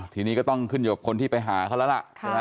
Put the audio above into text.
ทีนี้ก็ต้องขึ้นอยู่กับคนที่ไปหาเขาแล้วล่ะ